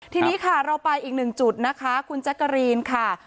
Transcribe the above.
ทีนี้ค่ะเราไปอีกหนึ่งจุดนะคะคุณแจ๊กกะรีนค่ะ